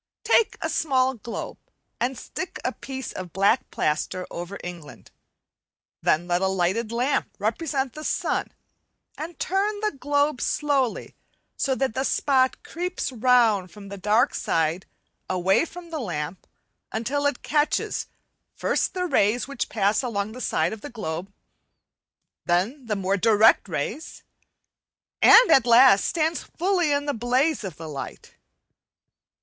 Take a small globe, and stick a piece of black plaster over England, then let a lighted lamp represent the sun, and turn the globe slowly, so that the spot creeps round from the dark side away from the lamp, until it catches, first the rays which pass along the side of the globe, then the more direct rays, and at last stands fully in the blaze of the light.